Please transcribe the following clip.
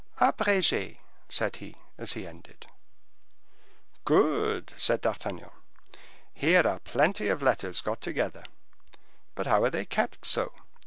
"Abrege," said he, as he ended. "Good!" said D'Artagnan; "here are plenty of letters got together; but how are they kept so?"